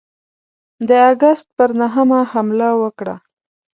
د آګسټ پر نهمه حمله وکړه.